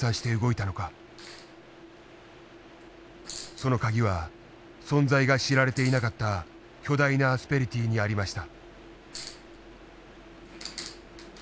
その鍵は存在が知られていなかった巨大なアスペリティーにありました。